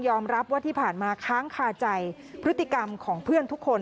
รับว่าที่ผ่านมาค้างคาใจพฤติกรรมของเพื่อนทุกคน